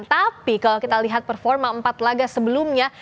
tapi kalau kita lihat performa empat laga sebelumnya